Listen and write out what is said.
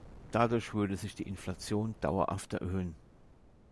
Dadurch würde sich die Inflation dauerhaft erhöhen.